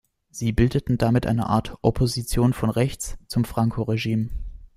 Sie bildeten damit eine Art „Opposition von rechts“ zum Franco-Regime.